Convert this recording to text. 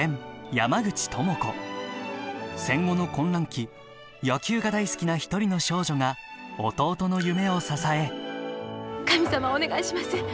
戦後の混乱期野球が大好きな１人の少女が弟の夢を支え神様お願いします。